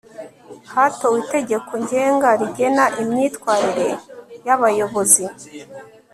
hatowe itegeko ngenga rigena imyitwarire y'abayobozi